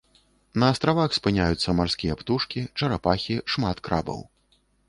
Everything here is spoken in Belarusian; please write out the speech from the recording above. На астравах спыняюцца марскія птушкі, чарапахі, шмат крабаў.